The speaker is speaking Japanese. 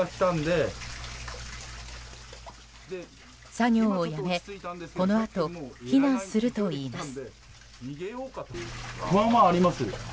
作業をやめこのあと避難するといいます。